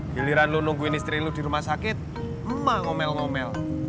giliran lu nungguin istri lu di rumah sakit emak ngomel ngomel